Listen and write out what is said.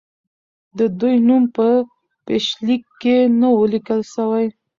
د دوی نوم په پیشلیک کې نه وو لیکل سوی.